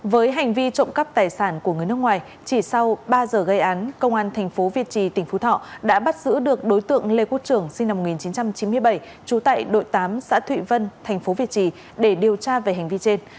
với hành vi trộm cắp tài sản của người nước ngoài chỉ sau ba giờ gây án công an tp việt trì tỉnh phú thọ đã bắt giữ được đối tượng lê quốc trưởng sinh năm một nghìn chín trăm chín mươi bảy trú tại đội tám xã thụy vân tp việt trì để điều tra về hành vi trên